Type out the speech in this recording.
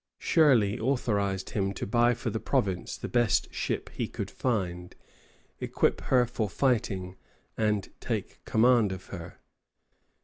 Shirley authorized him to buy for the province the best ship he could find, equip her for fighting, and take command of her.